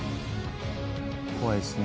怖いですね。